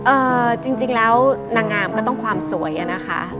เอ่อจริงแล้วหน้างามก็ต้องความสวยนะคะ